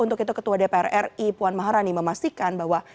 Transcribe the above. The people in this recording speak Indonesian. untuk itu ketua dpr ri puan maharani memastikan bahwa